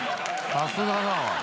さすがだわ。